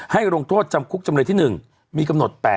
ให้โรงโทษจมคุกจำรวจที่๑มีกำหนด๘ปี